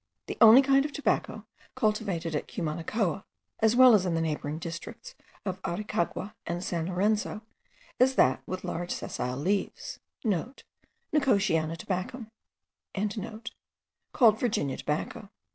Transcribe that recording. The only kind of tobacco cultivated at Cumanacoa, as well as in the neighbouring districts of Aricagua and San Lorenzo, is that with large sessile leaves,* (* Nicotiana tabacum.) called Virginia tobacco.